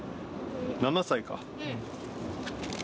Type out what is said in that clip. ７歳か。